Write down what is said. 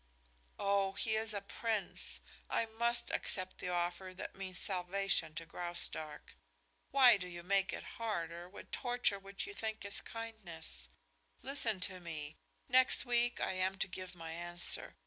"Oh, he is a prince! I must accept the offer that means salvation to Graustark. Why do you make it harder with torture which you think is kindness? Listen to me. Next week I am to give my answer.